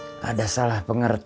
tidak ada salah pengertian